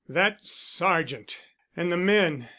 That Sergeant! And the men....